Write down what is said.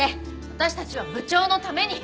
私たちは部長のために。